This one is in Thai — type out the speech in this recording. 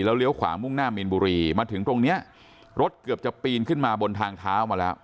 เลี้ยวขวามุ่งหน้ามีนบุรีมาถึงตรงเนี้ยรถเกือบจะปีนขึ้นมาบนทางเท้ามาแล้ว